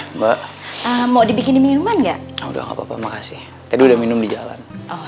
eh mbak mau dibikin minuman gak udah makasih udah minum di jalan